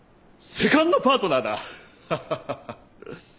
セカンドパートナー？